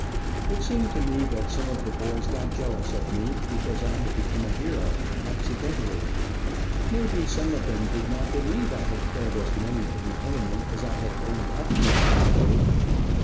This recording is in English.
It seemed to me that some of the boys got jealous of me, because I had become a hero, accidentally. May be some of them did not believe I had killed as many of the enemy as I had owned up to having killed.